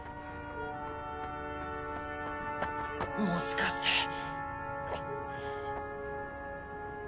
もしかして。